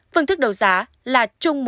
phương thức đầu giá là